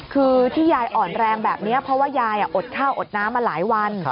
คือที่ยายอ่อนแรงแบบนี้เพราะว่ายายอดข้าวอดน้ำมาหลายวัน